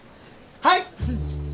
はい。